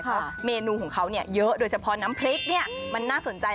เพราะเมนูของเขาเยอะโดยเฉพาะน้ำพริกเนี่ยมันน่าสนใจ